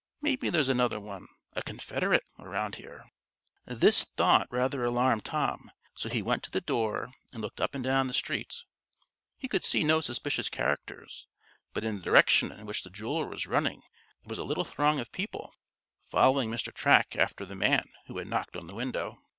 Maybe there's another one a confederate around here." This thought rather alarmed Tom, so he went to the door, and looked up and down the street. He could see no suspicious characters, but in the direction in which the jeweler was running there was a little throng of people, following Mr. Track after the man who had knocked on the window.